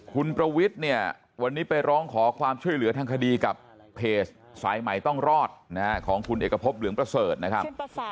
คุณประวิทย์เนี่ยวันนี้ไปร้องขอความช่วยเหลือทางคดีกับเพจสายใหม่ต้องรอดของคุณเอกพบเหลืองประเสริฐนะครับ